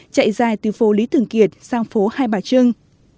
chạy dài từ phố lý thường kiệt sang phố hai bà trưng